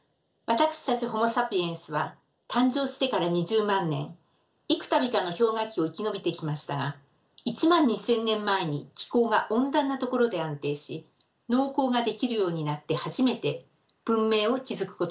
私たちホモ・サピエンスは誕生してから２０万年幾たびかの氷河期を生き延びてきましたが１万２，０００年前に気候が温暖なところで安定し農耕ができるようになって初めて文明を築くことができました。